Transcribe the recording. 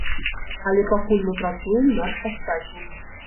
Але пакуль мы працуем над астатнім.